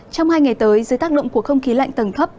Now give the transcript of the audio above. trong hai ngày tới dưới tác động của không khí lạnh tầng thấp